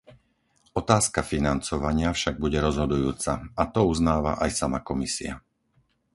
Otázka financovania však bude rozhodujúca, a to uznáva aj sama Komisia.